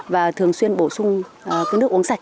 và thường xuyên bổ sung cái nước uống sạch